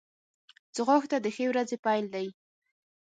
ځغاسته د ښې ورځې پیل دی